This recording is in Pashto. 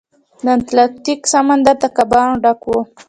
د اتلانتیک سمندر د کبانو ډک و.